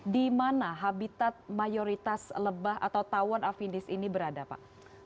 dimana habitat mayoritas lebah atau tawon afinis ini berada pak